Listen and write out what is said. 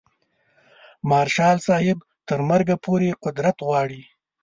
مارشال صاحب تر مرګه پورې قدرت غواړي.